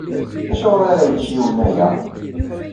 Acuɣer ara yečč yiwen aya?